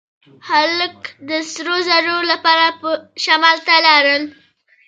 خلک د سرو زرو لپاره شمال ته لاړل.